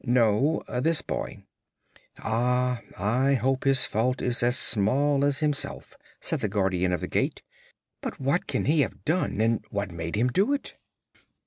"No; this boy." "Ah; I hope his fault is as small as himself," said the Guardian of the Gate. "But what can he have done, and what made him do it?"